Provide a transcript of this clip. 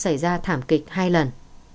xảy ra thảm kịch hai lần